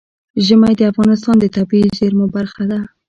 ژمی د افغانستان د طبیعي زیرمو برخه ده.